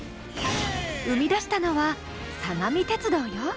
生み出したのは相模鉄道よ。